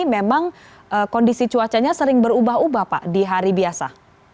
memang kondisi cuacanya sering berubah ubah pak di hari biasa